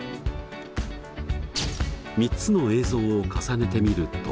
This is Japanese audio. ３つの映像を重ねてみると。